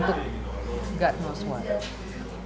tuhan tahu apa